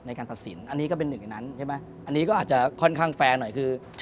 การตัดสินอันนี้ก็เป็นหนึ่งในนั้นใช่ไหมอันนี้ก็อาจจะค่อนข้างแฟร์หน่อยคือ